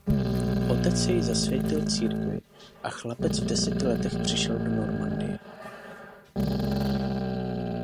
Otec jej zasvětil církvi a chlapec v deseti letech přišel do Normandie.